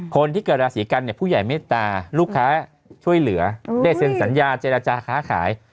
คนที่เกิดราศีกันเนี่ยผู้ใหญ่เมตตาลูกค้าช่วยเหลือได้เซ็นสัญญาเจรจาค้าขาย